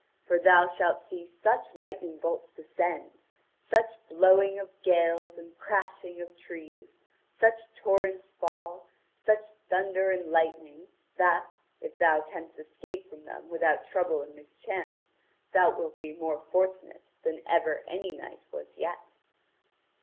For thou shalt see such lightning bolts descend, such blowing of gales and crashing of trees, such torrents fail, such thunder and lightning, that, if thou canst escape from them without trouble and mischance, thou wilt be more fortunate than ever any knight was yet.'